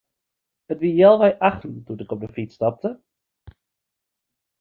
It wie healwei achten doe't ik op 'e fyts stapte.